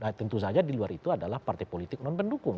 ya tentu saja di luar itu adalah partai politik non pendukung